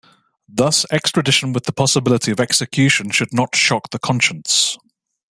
Thus, extradition with the possibility of execution should not shock the conscience.